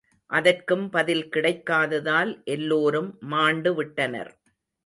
அதற்கும் பதில் கிடைக்காததால், எல்லோரும் மாண்டுவிட்டனர்.